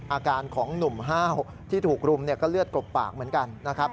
อาการของหนุ่มห้าวที่ถูกรุมก็เลือดกลบปากเหมือนกันนะครับ